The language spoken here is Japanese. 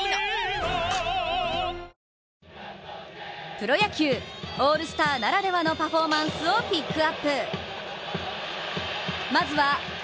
プロ野球、オールスターならではのパフォーマンスをピックアップ。